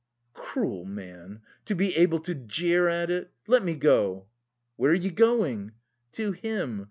"Cruel man! To be able to jeer at it! Let me go..." "Where are you going?" "To him.